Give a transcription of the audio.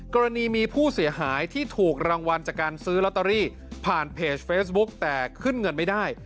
กรณีมีผู้เสียหายที่ถูกรางวัลจากการซื้อลอตเตอรี่ผ่านเพจเฟซบุ๊กแต่ขึ้นเงินไม่ได้